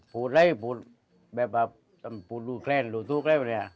พูดดูแคลนดูถูกแล้วนะครับ